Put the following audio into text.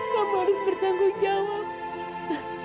kamu harus bertanggung jawab